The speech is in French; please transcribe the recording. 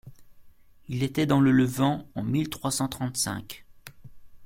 Il était dans le Levant en mille trois cent trente-cinq.